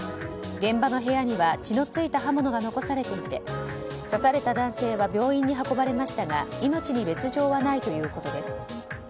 現場の部屋には血の付いた刃物が残されていて刺された男性は病院に運ばれましたが命に別条はないということです。